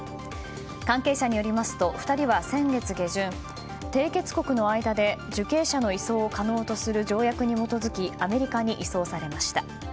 関係者によりますと２人は先月下旬、締結国の間で受刑者の移送を可能とする条約に基づきアメリカに移送されました。